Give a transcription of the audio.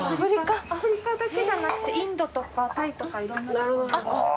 アフリカだけじゃなくてインドとかタイとかいろんな所。